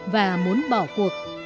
và muốn bỏ cuộc